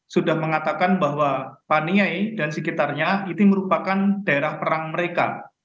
sudah mengatakan bahwa paniai dan sekitarnya itu merupakan daerah perang mereka